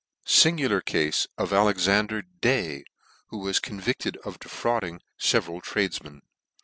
Singular Cafe of ALEXANDER DAY, who was convicted of defrauding feveral Tradefmen.